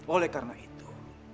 oleh karena itu